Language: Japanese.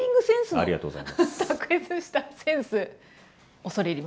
ありがとうございます。